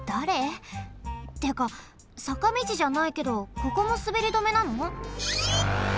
ってかさかみちじゃないけどここもすべり止めなの？